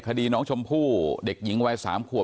คดีน้องชมพู่เด็กหญิงวัย๓ขวบ